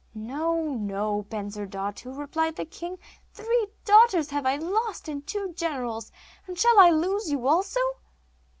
'No, no, Bensurdatu,' replied the king. 'Three daughters have I lost, and two generals, and shall I lose you also?